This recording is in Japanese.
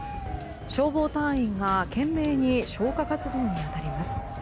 消防隊員が懸命に消火活動に当たります。